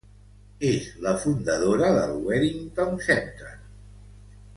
És la fundadora del Weddington Center.